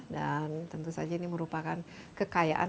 dan tentu saja ini merupakan kekayaan